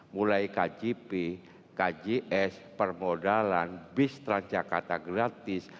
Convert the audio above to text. mulai kgp kgs permodalan bis transjakarta gratis